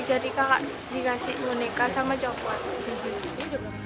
kakak dikasih boneka sama coklat